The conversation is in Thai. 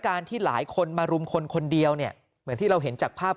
ที่หลายคนมารุมคนคนเดียวเนี่ยเหมือนที่เราเห็นจากภาพ